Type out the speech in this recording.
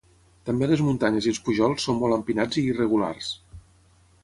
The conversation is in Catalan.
També les muntanyes i els pujols són molt empinats i irregulars.